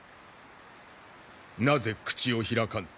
なぜ口を開かぬ。